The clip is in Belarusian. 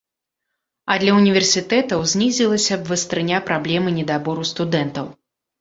А для ўніверсітэтаў знізілася б вастрыня праблемы недабору студэнтаў.